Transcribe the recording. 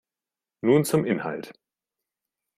Nun zum Inhalt.